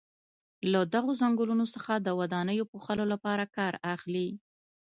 له دغو څنګلونو څخه د ودانیو پوښلو لپاره کار اخلي.